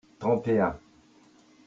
trente et un.